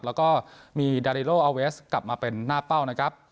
แล้วก็มีดาริโลอาเวสกลับมาเป็นหน้าเป้านะครับ